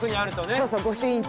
そうそう。